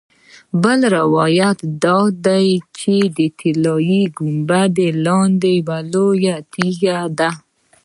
بل روایت دا دی چې تر طلایي ګنبدې لاندې لویه تیږه ده.